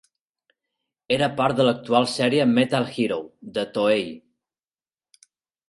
Era part de l'actual sèrie Metal Hero, de Toei.